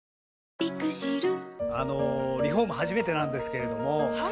あのリフォーム初めてなんですけれどもはい。